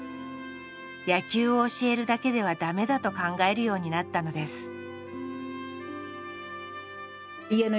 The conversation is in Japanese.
「野球を教えるだけではだめだ」と考えるようになったのです。